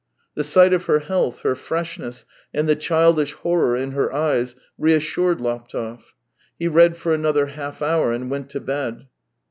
The sight of her health, her freshness, and the childish horror in her eyes, reassured Laptev. He read for another half hour and went to bed.